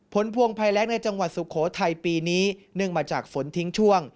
พวงภัยแรงในจังหวัดสุโขทัยปีนี้เนื่องมาจากฝนทิ้งช่วง